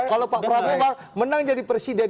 kalau pak prabowo menang jadi presiden